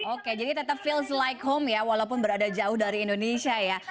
oke jadi tetap feels like home ya walaupun berada jauh dari indonesia ya